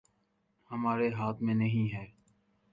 ہمارے ہاتھ میں نہیں ہے